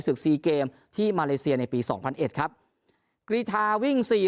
สี่เกมที่มาเลเซียในปีสองพันเอ็ดครับกรีธาวิ่งสี่